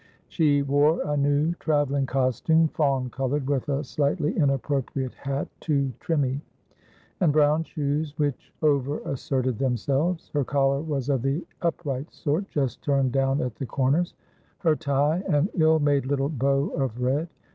She wore a new travelling costume, fawn coloured, with a slightly inappropriate hat (too trimmy), and brown shoes which over asserted themselves. Her collar was of the upright sort, just turned down at the corners; her tie, an ill made little bow of red.